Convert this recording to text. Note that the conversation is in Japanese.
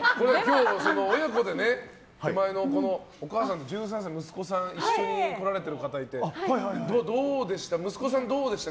親子でお母さんと１３歳の息子さんと一緒に来られている方がいて息子さんどうでした？